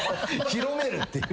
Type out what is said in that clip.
広めるっていう。